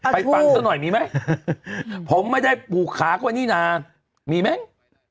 ไปปังซะหน่อยมีไหมผมไม่ได้ผูกขาเข้าไว้นี่น่ะมีแม่ง